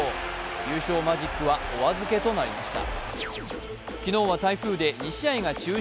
優勝マジックはお預けとなりました。